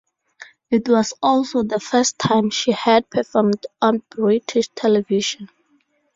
It was also the first time she had performed on British television.